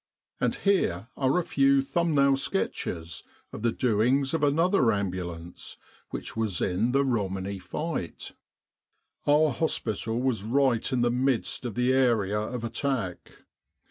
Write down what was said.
And here are a few thumb nail sketches of the doings of another Ambulance which was in the Romani fight :" Our hospital was right in the midst of the area of attack.